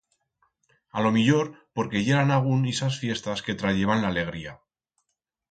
A lo millor porque yeran agún ixas fiestas que trayeban l'alegría.